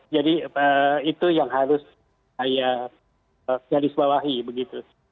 jadi itu yang harus saya jadis bawahi